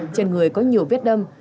trên người có nhiều viết đâm